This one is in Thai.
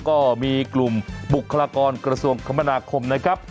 ก็มีกลุ่มบุคลากรกระทรวงคมนาคมนะครับ